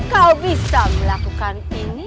kau bisa melakukan ini